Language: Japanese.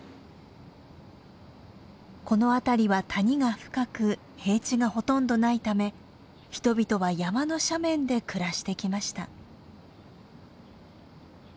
この辺りは谷が深く平地がほとんどないため人々は山の斜面で暮らしてきました。